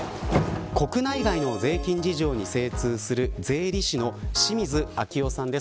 国内外の税金事情に精通する税理士の清水明夫さんです。